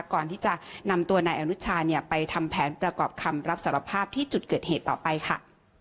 ก่อนที่จะนำตัวนายอนุชาเนี่ยไปทำแผนประกอบคำรับสารภาพที่จุดเกิดเหตุต่อไปค่ะ